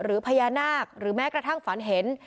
หรือพญานาคหรือแม้กระทั่งฝันเห็น